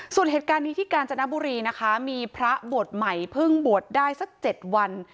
ส่วนเหตุการณ์นี้ที่กาญจนบุรีนะคะมีพระบวชใหม่เพิ่งบวชได้สัก๗วัน